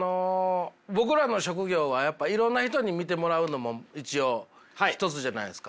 僕らの職業はやっぱいろんな人に見てもらうのも一応一つじゃないですか。